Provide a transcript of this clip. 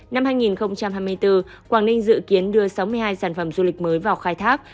năm hai nghìn hai mươi bốn quảng ninh dự kiến đưa sáu mươi hai sản phẩm du lịch mới vào khai thác